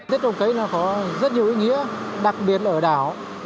tết trồng cây có rất nhiều ý nghĩa đặc biệt ở đảo